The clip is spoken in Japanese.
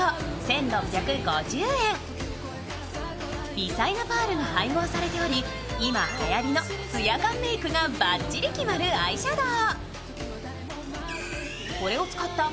微細なパールが配合されており、今、はやりのつや感メイクがバッチリ決まるアイシャドウ。